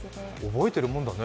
覚えてるもんだね。